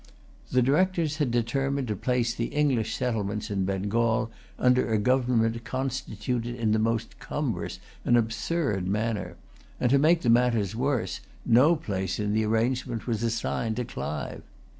The Directors had determined to place the English settlements in Bengal under a government constituted in the most cumbrous and absurd manner; and to make the matter worse, no place in the arrangement was assigned to Clive.